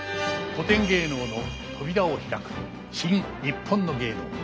古典芸能の扉を開く「新・にっぽんの芸能」